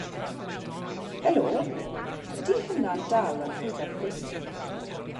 Helo, ydy hynna'n dal yn rhywbeth pwysig?